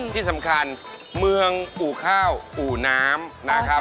ที่สำคัญเมืองอู่ข้าวอู่น้ำนะครับ